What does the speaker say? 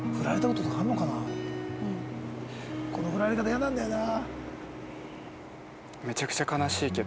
このフラれ方嫌なんだよな。